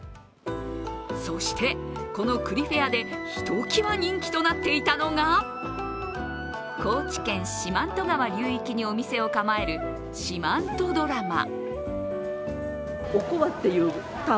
そして、この栗フェアでひときわ人気となっていたのが高知県四万十川流域にお店を構える四万十ドラマ。